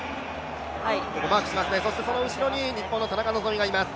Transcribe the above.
そしてその後ろに日本の田中希実がいます。